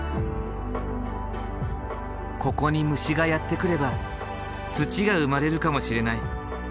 ここに虫がやって来れば土が生まれるかもしれない。